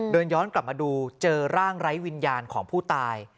เดินย้อนกลับมาดูเจอร่างไร้วิญญาณของผู้ตาย